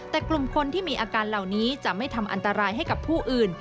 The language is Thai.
แต่กลุ่มคนที่มีอาการเหล่านี้จะไม่ทำอันตรายให้กับผู้อื่น